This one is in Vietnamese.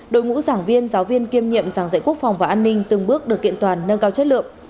đội ngũ giảng viên giáo viên kiêm nhiệm giảng dạy quốc phòng và an ninh từng bước được kiện toàn nâng cao chất lượng